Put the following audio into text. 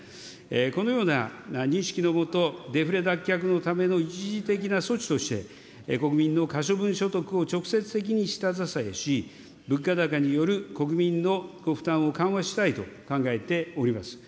このような認識のもと、デフレ脱却のための一時的な措置として、国民の可処分所得を直接的に下支えし、物価高による国民のご負担を緩和したいと考えております。